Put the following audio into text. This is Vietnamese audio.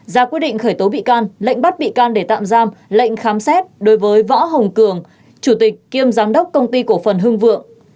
ra quyết định khởi tố bị can lệnh bắt bị can để tạm giam lệnh khám xét đối với võ hồng cường chủ tịch kiêm giám đốc công ty cổ phần hưng vượng